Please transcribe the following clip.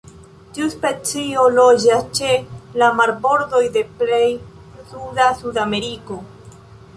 Tiu specio loĝas ĉe la marbordoj de plej suda Sudameriko.